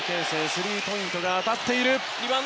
スリーポイントが決まっている。